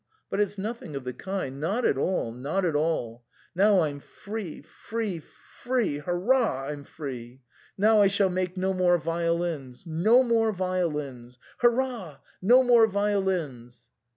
but it's nothing of the kind — not at all ! not at all ! Now Fm free — free — free — hur rah ! I'm free ! Now I shall make no more violins — no more violins — Hurrah ! no more violins